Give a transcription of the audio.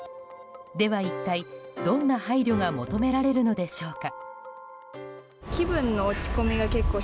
では一体、どんな配慮が求められるのでしょうか。